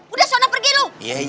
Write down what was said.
udah sana pergi lu